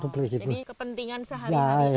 jadi kepentingan sehari hari